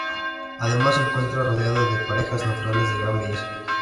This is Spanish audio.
Además, se encuentra rodeado de parajes naturales de gran belleza.